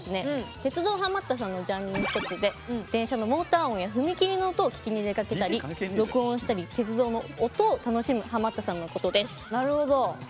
鉄道ハマったさんのジャンルの１つで電車のモーター音や踏切の音を聞きに出かけたり録音したり、鉄道を音で楽しむハマったさんのことです。